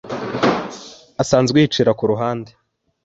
Asanzwe yicira ku rugamba